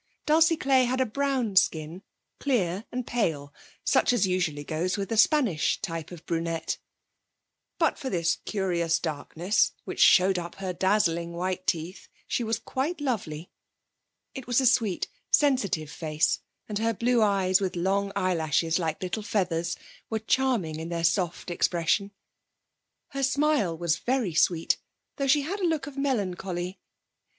Dulcie Clay had a brown skin, clear and pale, such as usually goes with the Spanish type of brunette. But for this curious darkness, which showed up her dazzling white teeth, she was quite lovely. It was a sweet, sensitive face, and her blue eyes, with long eyelashes like little feathers, were charming in their soft expression. Her smile was very sweet, though she had a look of melancholy.